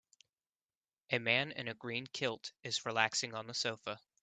A man in a green kilt is relaxing on the sofa.